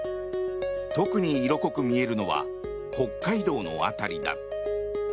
特に色濃く見えるのは北海道の辺りだ。